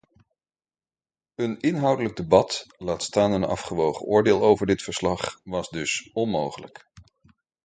Een inhoudelijk debat, laat staan een afgewogen oordeel over dit verslag was dus onmogelijk.